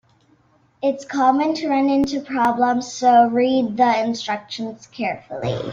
It's common to run into problems, so read the instructions carefully.